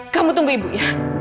kamu tunggu ibu ya